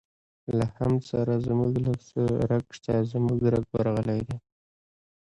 له حمد سره زموږ لږ څه رګ شته، زموږ رګ ورغلی دی.